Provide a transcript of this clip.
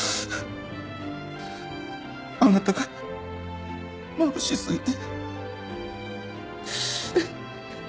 あなたがまぶしすぎて。